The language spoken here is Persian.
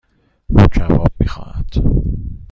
او کباب میخواهد.